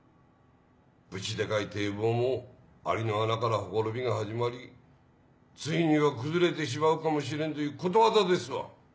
ブチでかい堤防も蟻の穴からほころびが始まりついには崩れてしまうかもしれんということわざですわ。